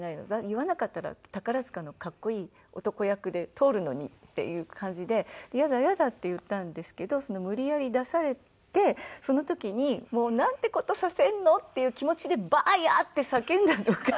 「言わなかったら宝塚の格好いい男役で通るのに」っていう感じで「イヤだイヤだ」って言ったんですけど無理やり出されてその時にもうなんて事させるの！っていう気持ちで「ばあや！」って叫んだのが。